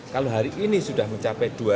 kalau hal ini kita harus mencari yang lebih baik